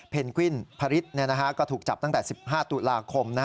เพนกวิ่นภริษถูกจับตั้งแต่๑๕ตุลาคม